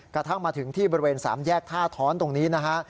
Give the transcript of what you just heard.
กระทั่งมาถึงที่บริเวณสามแยกท่าท้อนตรงนี้นะฮะ